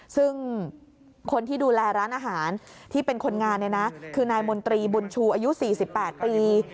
ซึ่งคนที่ดูแลร้านอาหารที่เป็นคนงานเนี่ยนะคือนายมนตรีบุญชูอายุ๔๘ปี